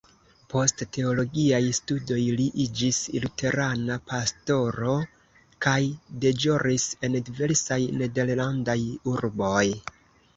Post teologiaj studoj li iĝis luterana pastoro, kaj deĵoris en diversaj nederlandaj urboj.